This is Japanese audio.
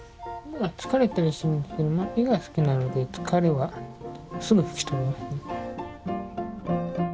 疲れたりはするんですけど絵が好きなので疲れはすぐ吹き飛びますね。